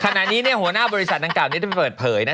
ขนาดนี้เนี่ยหัวหน้าบริษัทนางกราบนี้จะไปเปิดเผยนะ